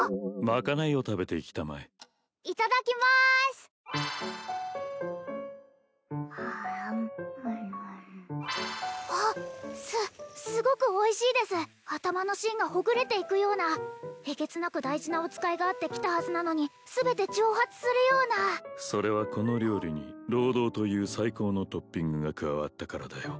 まかないを食べていきたまえいただきまーすすすごくおいしいです頭の芯がほぐれていくようなえげつなく大事なお使いがあって来たはずなのに全て蒸発するようなそれはこの料理に労働という最高のトッピングが加わったからだよ